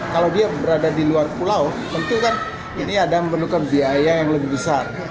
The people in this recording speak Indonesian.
kalau dia berada di luar pulau tentu kan ini ada memerlukan biaya yang lebih besar